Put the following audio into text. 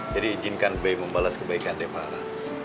jadi izinkan be membalas kebaikan depara